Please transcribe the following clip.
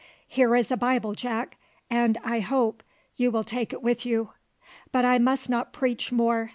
Here is a Bible, Jack, and I hope you will take it with you; but I must not preach more.